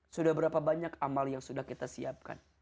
sudah berapa banyak amal yang sudah kita siapkan